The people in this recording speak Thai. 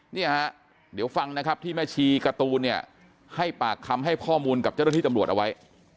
เนี่ยฮะเดี๋ยวฟังนะครับที่แม่ชีการ์ตูนเนี่ยให้ปากคำให้ข้อมูลกับเจ้าหน้าที่ตำรวจเอาไว้